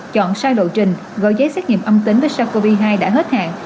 chọn sai lộ trình gọi giấy xét nghiệm âm tính với sars cov hai đã hết hạn